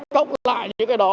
cốc lại những cái đó